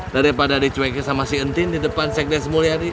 daripada dicuekin sama si entin di depan sekdes mulyadi